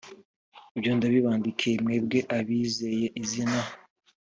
ibyo ndabibandikiye mwebwe abizeye izina